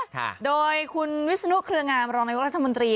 ค่ะโดยคุณวิสนุกเครื่องงามรองนักวัฏมนตรี